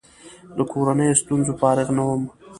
له کورنیو ستونزو فارغ نه وم.